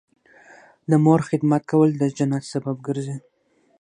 د مور خدمت کول د جنت سبب ګرځي